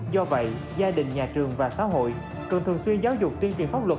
do vậy gia đình nhà trường và xã hội cần thường xuyên giáo dục tuyên truyền pháp luật